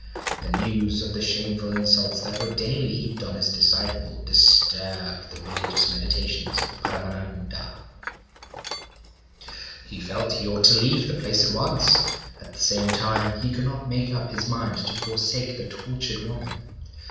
The news of the shameful insults that were daily heaped on his disciple disturbed the religious meditations of Paramananda. He felt he ought to leave the place at once; at the same time he could not make up his mind to forsake the tortured woman.